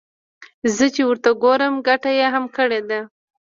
زه چې ورته ګورم ګټه يې هم کړې ده.